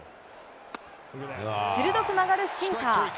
鋭く曲がるシンカー。